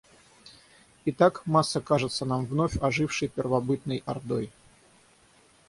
Итак, масса кажется нам вновь ожившей первобытной ордой.